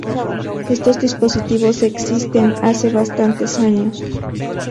Estos dispositivos existen hace bastantes años.